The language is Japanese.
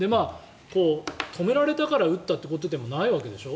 止められたから撃ったということでもないわけでしょ。